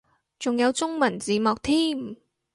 仲有中文字幕添